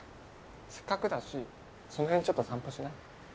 せっかくだしその辺ちょっと散歩しない？